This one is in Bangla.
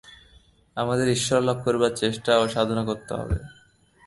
আমাদের ঈশ্বরলাভ করবার চেষ্টা ও সাধনা করতে হবে।